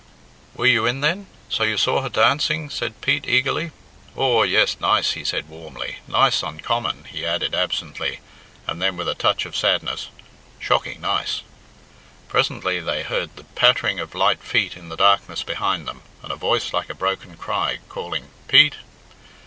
"Were you in then? So you saw her dancing?" said Pete eagerly. "Aw, yes, nice," he said warmly, "nice uncommon," he added absently, and then with a touch of sadness, "shocking nice!" Presently they heard the pattering of light feet in the darkness behind them, and a voice like a broken cry calling "Pete!"